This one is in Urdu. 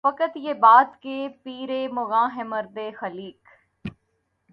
فقط یہ بات کہ پیر مغاں ہے مرد خلیق